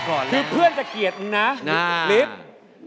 คือเพื่อนจะเกลียดนะลิฟท์